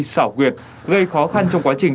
xảo quyệt gây khó khăn trong quá trình